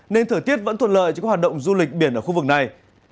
nên thời tiết vẫn thuận lợi cho các hoạt động du lịch biển ở khu vực này